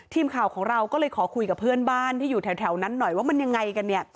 ทีมข่าวของเราก็เลยขอคุยกับเพื่อนบ้านที่อยู่แถวนั้นหน่อยว่ามันยังไงกันเนี่ย